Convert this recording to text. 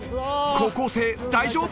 高校生大丈夫？